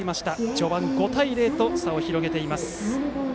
序盤、５対０と差を広げています。